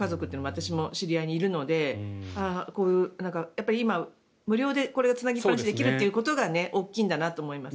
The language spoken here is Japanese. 私も知り合いにいるので無料でこれがつなぎっぱなしにできるってことが大きいんだなと思います。